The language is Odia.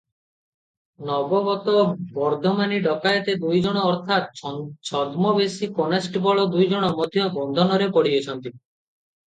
ନବାଗତ ବର୍ଦ୍ଧମାନୀ ଡକାଏତ ଦୁଇଜଣ ଅର୍ଥାତ୍ ଛଦ୍ମବେଶୀ କନେଷ୍ଟବଳ ଦୁଇଜଣ ମଧ୍ୟ ବନ୍ଧନରେ ପଡ଼ିଅଛନ୍ତି ।